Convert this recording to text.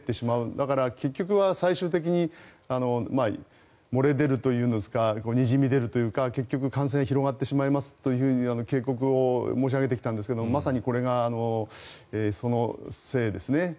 だから、結局は最終的に漏れ出るというんですかにじみ出るというか結局感染が広がってしまいますと警告を申し上げてきたんですがまさにこれがそのせいですね。